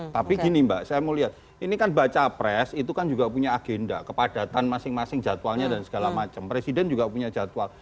tapi gini mbak saya mau lihat ini kan baca pres itu kan juga punya agenda kepadatan masing masing jadwalnya dan segala macam presiden juga punya jadwal